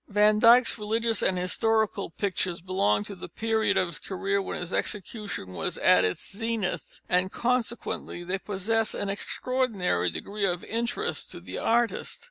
Van Dyck's religious and historical pictures belong to the period of his career when his execution was at its zenith, and consequently they possess an extraordinary degree of interest to the artist.